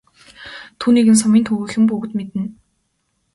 Түүнийг нь сумын төвийнхөн бүгд мэднэ.